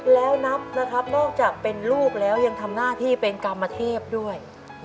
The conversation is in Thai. แล้วนับนะครับนอกจากเป็นลูกแล้วยังทำหน้าที่เป็นกรรมเทพด้วย